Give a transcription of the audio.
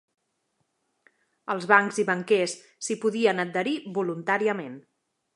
Els bancs i banquers s'hi podien adherir voluntàriament.